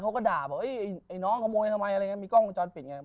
เขาก็ด่าบอกว่าไอ้น้องขโมยทำไมอะไรอย่างนี้มีกล้องจอดปิดอย่างนี้